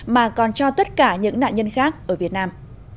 mà còn cho tất cả những nạn nhân khác ở việt nam